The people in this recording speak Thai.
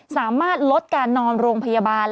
สามารถลดการนอนโรงพยาบาล